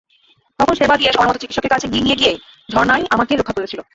তখন সেবা দিয়ে, সময়মতো চিকিৎসকের কাছে নিয়ে গিয়ে ঝর্ণাই আমাকে রক্ষা করেছিল।